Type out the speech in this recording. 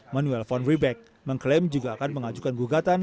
manuel von riebeck mengklaim juga akan mengajukan gugatan